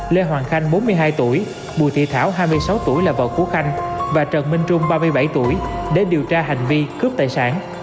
lê hoàng khanh bốn mươi hai tuổi bùi thị thảo hai mươi sáu tuổi là vợ của khanh và trần minh trung ba mươi bảy tuổi để điều tra hành vi cướp tài sản